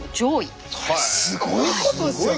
すごいことですよね。